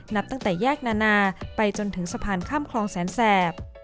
นับตั้งแต่แยกนานาไปจนถึงสะพานข้ามคลองแสนแสบ